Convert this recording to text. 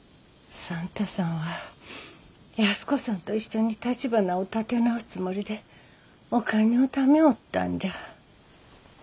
算太さんは安子さんと一緒にたちばなを建て直すつもりでお金ょおたみょおったんじゃ。